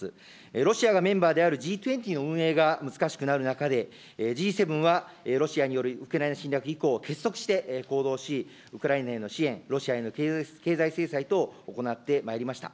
ロシアがメンバーであるＧ２０の運営が難しくなる中で、Ｇ７はロシアによるウクライナ侵略以降、結束して行動し、ウクライナへの支援、ロシアへの経済制裁等、行ってまいりました。